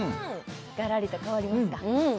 がらりと変わりますか？